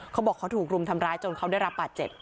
เขาบอกเขาถูกรุมทำร้ายจนเขาได้รับบาดเจ็บ